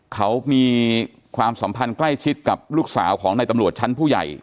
เขามีความสัมพันธ์ใกล้ชิดกับลูกสาวของในตำรวจชั้นผู้ใหญ่